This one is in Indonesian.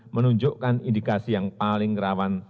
menunjukkan indikasi yang paling rawan